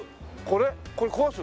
これ。